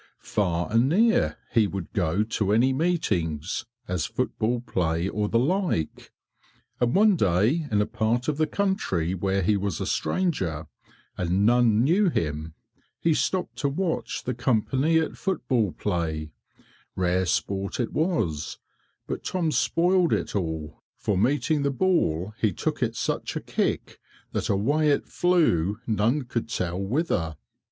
Far and near he would go to any meetings, as football play or the like. And one day in a part of the country where he was a stranger, and none knew him, he stopped to watch the company at football play; rare sport it was; but Tom spoiled it all, for meeting the ball he took it such a kick that away it flew none could tell whither.